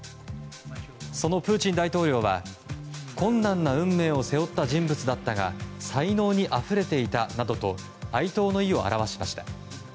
そのプーチン大統領は困難な運命を背負った人物だったが才能にあふれていたなどと哀悼の意を表しました。